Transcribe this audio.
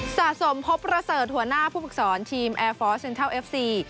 สะสมพบประเสริฐหัวหน้าผู้ฝึกสอนทีมแอร์ฟอร์สเซ็นทรัลเอฟซี